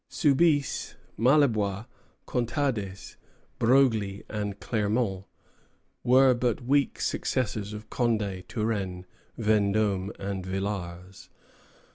Soubise, Maillebois, Contades, Broglie, and Clermont were but weak successors of Condé, Turenne, Vendôme, and Villars.